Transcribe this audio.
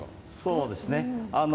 そうですね。